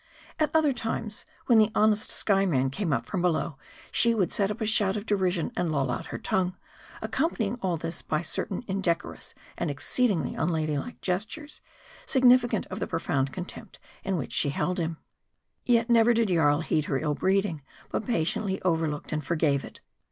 At other times, when the honest Skyeman came up from below, she would set up a shout of derision, and loll out her tongue ; accompanying all this by certain indecorous and exceedingly unladylike ges M A R D I. 139 tures, significant of the profound contempt in which she held him. Yet, never did Jarl heed her ill breeding ; but patiently overlooked and forgave it.